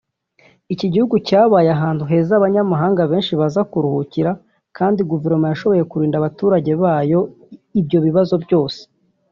Iki gihugu cyabaye ahantu heza abanyamahanga benshi baza kuruhukira kandi Guverinoma yashoboye kurinda abaturage bayo ibyo bibazo byose